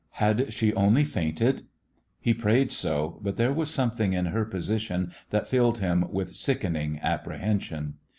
Had she only fainted? He prayed so, but there was something in her position that filled him with sickening apprehen sion.